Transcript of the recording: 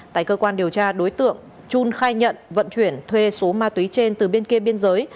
tại cơ quan điều tra đối tượng trung khai nhận vận chuyển thuê số ma túy trên từ bên kia biên giới